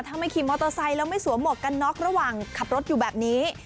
ถ้าไม่ขี่มอเตอร์ไซค์แล้วไม่สวมหมวกกันน็อกระหว่างขับรถอยู่แบบนี้